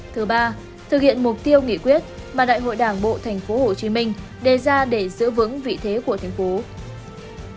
thứ ba thực hiện mục tiêu nghỉ quyết mà đại hội đảng bộ tp hcm đề ra để giữ vững vị thế của tp hcm